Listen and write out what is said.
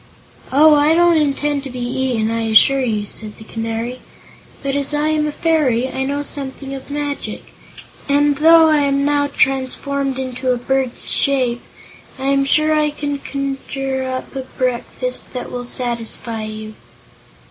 "Oh, I don't intend to be eaten, I assure you," said the Canary, "but as I am a fairy I know something of magic, and though I am now transformed into a bird's shape, I am sure I can conjure up a breakfast that will satisfy you."